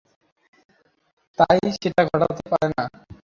তাই সেটা ঘটতে পারে না।